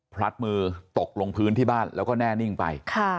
พลัดมือตกลงพื้นที่บ้านแล้วก็แน่นิ่งไป